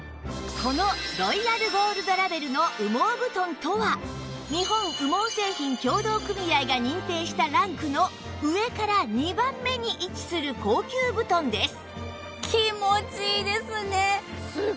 このロイヤルゴールドラベルの羽毛布団とは日本羽毛製品協同組合が認定したランクの上から２番目に位置する高級布団です